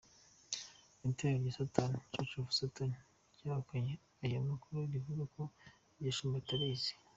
Itorero rya Satani, Church of Satan ryahakanye aya makuru rivuga ko iryo shami batarizi.